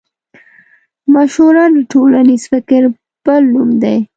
مشوره د ټولنيز فکر بل نوم دی.